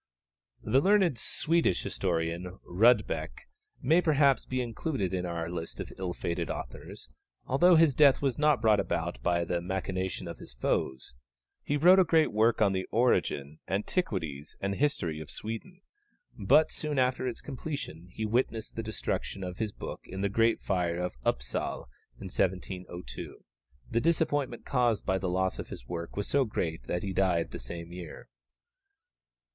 The learned Swedish historian Rudbeck may perhaps be included in our list of ill fated authors, although his death was not brought about by the machinations of his foes. He wrote a great work on the origin, antiquities, and history of Sweden, but soon after its completion he witnessed the destruction of his book in the great fire of Upsal in 1702. The disappointment caused by the loss of his work was so great that he died the same year.